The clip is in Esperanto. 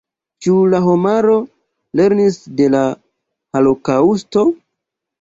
Ĉu la homaro lernis de la holokaŭsto?